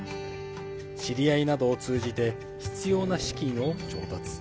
知り合いなどを通じて必要な資金を調達。